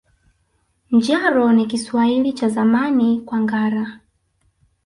Njaro ni Kiswahili cha Zamani kwa ngara